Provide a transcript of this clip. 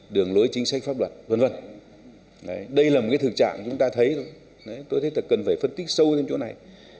đường lối chính sách pháp luật v v đây là một thực trạng chúng ta thấy thôi tôi thấy cần phải phân tích sâu lên chỗ này